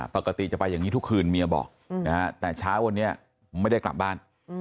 ปกติจะไปอย่างนี้ทุกคืนเมียบอกนะฮะแต่เช้าวันนี้ไม่ได้กลับบ้าน